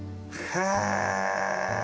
へえ！